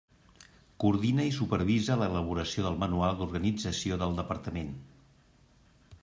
Coordina i supervisa l'elaboració del Manual d'organització del Departament.